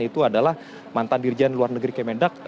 itu adalah mantan dirijen luar negeri kemendak